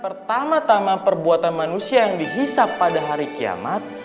pertama tama perbuatan manusia yang dihisap pada hari kiamat